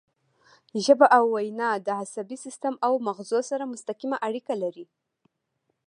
ژبه او وینا د عصبي سیستم او مغزو سره مستقیمه اړیکه لري